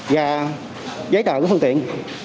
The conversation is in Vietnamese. và giấy đoạn của phương tiện